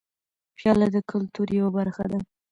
پیاله د کلتور یوه برخه ده.